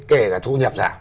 kể cả thu nhập ra